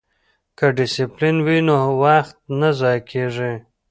که ډسپلین وي نو وخت نه ضایع کیږي.